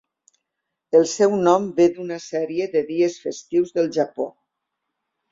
El seu nom ve d'una sèrie de dies festius del Japó.